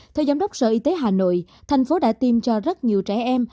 theo giám đốc sở y tế hà nội thành phố đã tiêm cho rất nhiều trẻ em